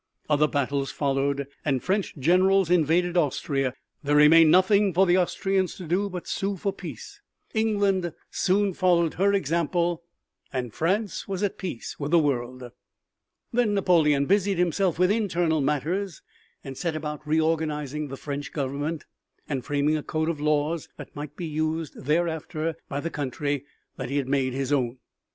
Other battles followed, and French generals invaded Austria. There remained nothing for the Austrians to do but sue for peace. England soon followed her example and France was at peace with the world. Then Napoleon busied himself with internal matters and set about reorganizing the French Government and framing a code of laws that might be used thereafter by the country that he had made his own.